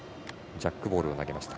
ジャックボールを投げました。